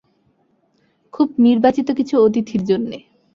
খুব নির্বাচিত কিছু অতিথির জন্যে।